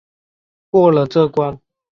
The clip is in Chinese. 过了这关